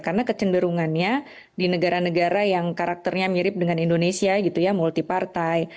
karena kecenderungannya di negara negara yang karakternya mirip dengan indonesia multipartai